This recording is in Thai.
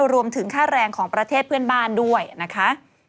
รวมถึงค่าแรงของประเทศเพื่อนบ้านด้วยนะคะ